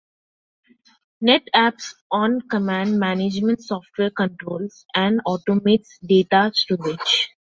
NetApp's OnCommand management software controls and automates data-storage.